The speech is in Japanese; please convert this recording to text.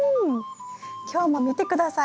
今日も見て下さい。